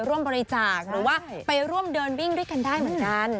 ร่วมบริจาคหรือว่าไปร่วมเดินวิ่งด้วยกันได้เหมือนกัน